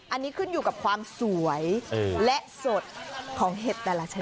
อันนี้ขึ้นอยู่กับความสวยและสดของเห็ดแต่ละชนิด